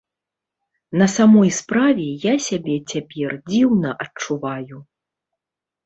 На самой справе, я сябе цяпер дзіўна адчуваю.